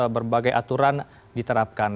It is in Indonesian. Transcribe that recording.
berbagai aturan diterapkan